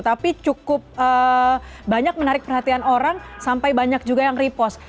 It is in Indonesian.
tapi cukup banyak menarik perhatian orang sampai banyak juga yang repost